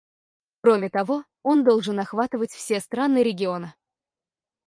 Кроме того, он должен охватывать все страны региона.